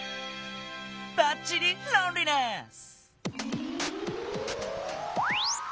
ばっちりロンリネス！